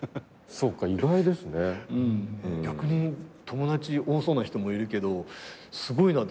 友達多そうな人もいるけどすごいなと思う。